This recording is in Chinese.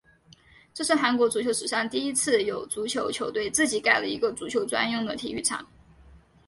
这是韩国足球史上第一次有足球球队自己盖了一个足球专用的体育场。